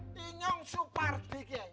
ini yang supardik ya